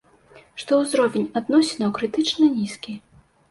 Што ўзровень адносінаў крытычна нізкі.